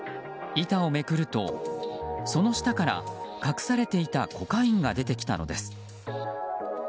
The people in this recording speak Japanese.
板をめくるとその下から隠されていたコカインが出てきたのです。